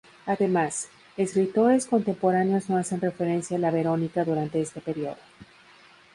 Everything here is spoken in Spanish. Además, escritores contemporáneos no hacen referencia a la Verónica durante este periodo.